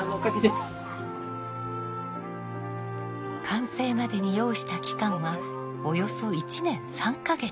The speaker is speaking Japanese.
完成までに要した期間はおよそ１年３か月。